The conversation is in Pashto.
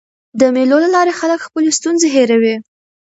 د مېلو له لاري خلک خپلي ستونزي هېروي.